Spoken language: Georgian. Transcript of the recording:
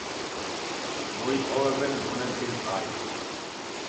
მოიპოვებენ ბუნებრივ აირს.